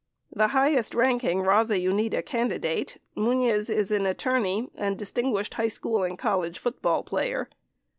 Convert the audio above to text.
The highest ranking Baza Unida Candidate, Muniz is an attorney and distinguished high school and college football player.